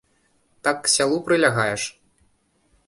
Так к сялу прылягаеш?